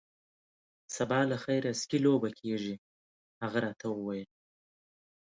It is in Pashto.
سبا له خیره سکی لوبې کیږي. هغه راته وویل.